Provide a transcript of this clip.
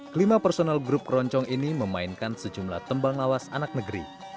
kelima personal grup keroncong ini memainkan sejumlah tembang lawas anak negeri